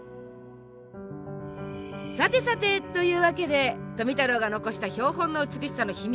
さてさてという訳で富太郎が残した標本の美しさの秘密を解き明かす